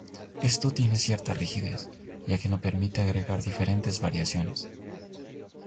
Esto tiene cierta rigidez, ya que no permite agregar diferentes variaciones.